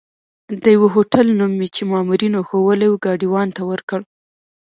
د یوه هوټل نوم مې چې مامورینو ښوولی وو، ګاډیوان ته ورکړ.